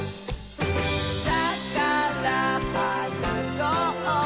「だからはなそう！